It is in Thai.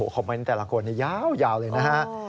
เมนต์แต่ละคนยาวเลยนะฮะ